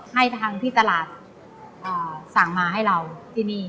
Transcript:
ให้ทางที่ตลาดสั่งมาให้เราที่นี่